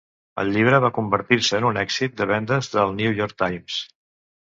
El llibre va convertir-se en un èxit de vendes del New York Times.